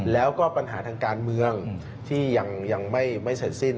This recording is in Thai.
แล้วก็ปัญหาทางการเมืองที่ยังไม่เสร็จสิ้น